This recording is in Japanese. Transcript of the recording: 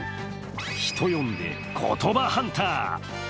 人呼んで、言葉ハンター。